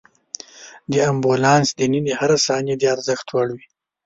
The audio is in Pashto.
د امبولانس دننه هره ثانیه د ارزښت وړ وي.